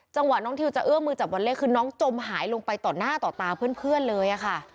จังหวะน้องทิวจะเอื้อมือจับวัลเล่คือน้องจมหายลงไปต่อหน้าต่อตาเพื่อนเลยค่ะ